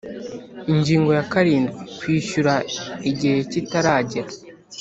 Ingingo ya karindwi Kwishyura igihe kitaragera